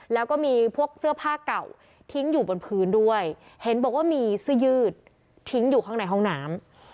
แล้วก็มีพวกเสื้อผ้าเก่าทิ้งอยู่บนพื้นด้วยเห็นบอกว่ามีเสื้อยืดทิ้งอยู่ข้างในห้องน้ำ